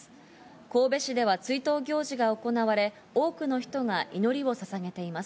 神戸市では追悼行事が行われ、多くの人が祈りをささげています。